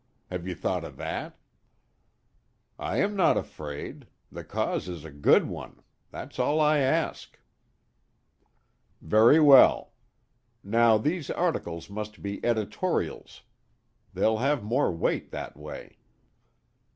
Have you thought of that?" "I am not afraid. The cause is a good one. That's all I ask." "Very well. Now these articles must be editorials. They'll have more weight that way.